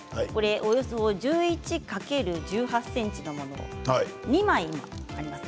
およそ１１×１８ｃｍのものを２枚。